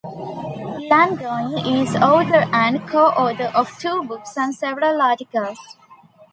Langone is author and co-author of two books and several articles.